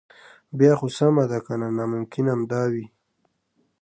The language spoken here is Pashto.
بیا خو سمه ده کنه ناممکن همدا وي.